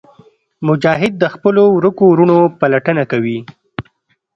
مجاهد د خپلو ورکو وروڼو پلټنه کوي.